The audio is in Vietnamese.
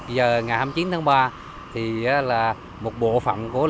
một mươi một giờ ngày hai mươi chín tháng ba thì là một bộ phận của lịch sử